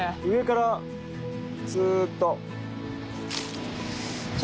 上からずーっと。